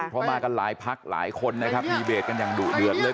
เพราะมากันหลายพักหลายคนนะครับดีเบตกันอย่างดุเดือดเลย